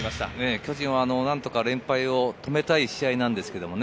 巨人は何とか連敗を止めたい試合なんですけどね。